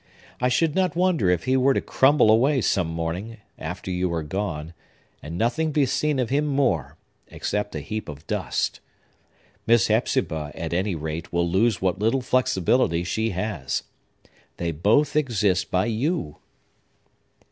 I should not wonder if he were to crumble away, some morning, after you are gone, and nothing be seen of him more, except a heap of dust. Miss Hepzibah, at any rate, will lose what little flexibility she has. They both exist by you."